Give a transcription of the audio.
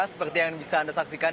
seperti yang bisa anda saksikan